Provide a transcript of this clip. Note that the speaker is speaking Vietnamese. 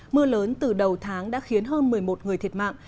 mưa lớn từ đầu tháng đã khiến hơn một mươi một người thiệt mạng